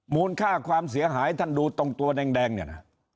มูลค่าความเสียหายท่านดูตรงตัวแดงเนี่ยนะ